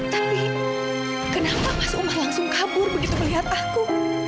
tapi kenapa mas uma langsung kabur begitu melihat aku